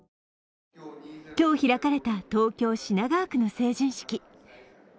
今日、開かれた東京・品川区の成人式。